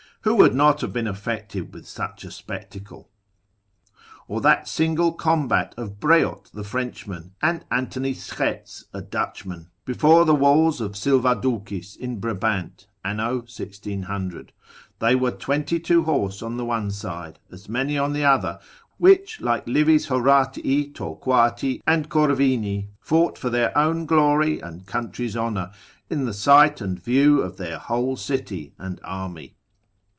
Who would not have been affected with such a spectacle? Or that single combat of Breaute the Frenchman, and Anthony Schets a Dutchman, before the walls of Sylvaducis in Brabant, anno 1600. They were twenty two horse on the one side, as many on the other, which like Livy's Horatii, Torquati and Corvini fought for their own glory and country's honour, in the sight and view of their whole city and army.